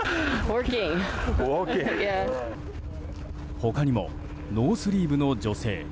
他にもノースリーブの女性。